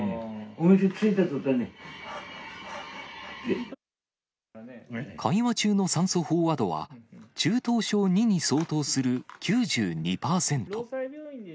お店着いたとたんに、はあはあは会話中の酸素飽和度は、中等症２に相当する９２％。